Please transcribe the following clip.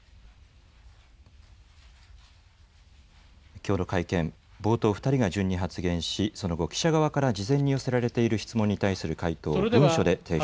きょうの会見、冒頭、２人が順に発言し、その後、記者側から事前に寄せられている質問に対する回答を、文書で提出